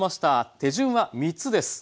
手順は３つです。